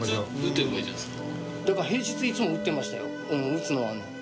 打つのはね。